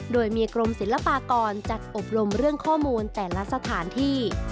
โดยมีกรมศิลปากรจัดอบรมเรื่องข้อมูลแต่ละสถานที่